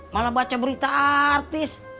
malah baca berita artis